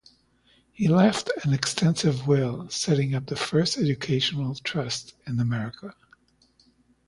He left an extensive will, setting up the first educational trust in America.